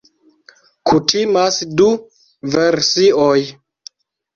Kutimas du versioj.